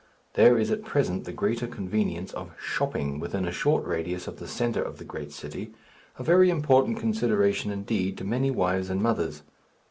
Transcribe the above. There is at present the greater convenience of "shopping" within a short radius of the centre of the great city, a very important consideration indeed to many wives and mothers.